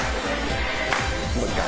もう１回。